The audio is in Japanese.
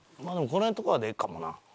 まあでもこの辺とかでええかもな。